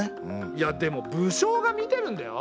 いやでも武将が見てるんだよ。